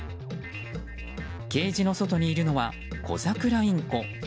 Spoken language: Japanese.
ケージの外にいるのはコザクラインコ。